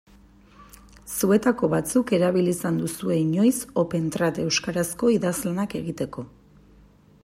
Zuetako batzuk erabili izan duzue inoiz Opentrad euskarazko idazlanak egiteko.